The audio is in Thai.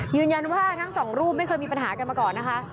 ทั้งสองรูปไม่เคยมีปัญหากันมาก่อนนะคะ